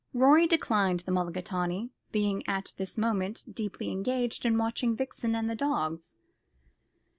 Rorie declined the mulligatawny, being at this moment deeply engaged in watching Vixen and the dogs.